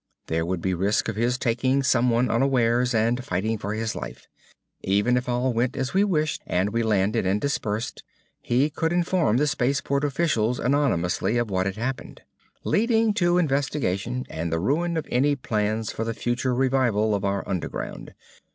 There would be risk of his taking someone unawares and fighting for his life. Even if all went as we wished, and we landed and dispersed, he could inform the space port officials anonymously of what had happened, leading to investigation and the ruin of any plans for the future revival of our underground.